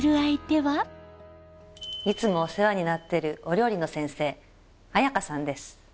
いつもお世話になってるお料理の先生亜弥花さんです。